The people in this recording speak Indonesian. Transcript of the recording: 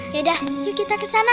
yaudah yuk kita ke sana